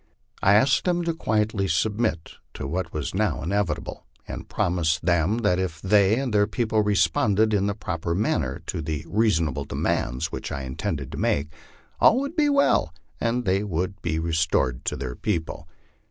I asked them to quietly submit to what was now inevitable, aiul promised them that if they and their people responded in the proper man ner to the reasonable demands which I intended to make, all would be well, and they would be restored to their people.